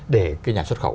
để cái nhà xuất khẩu